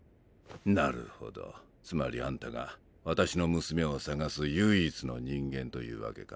なるほどつまりあんたが私の娘を捜す唯一の人間というわけか。